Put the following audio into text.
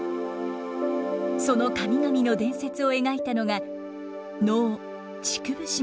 その神々の伝説を描いたのが能「竹生島」です。